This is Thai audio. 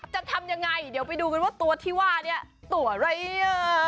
จะทำยังไงเดี๋ยวไปดูกันว่าตัวที่ว่าเนี่ยตัวอะไร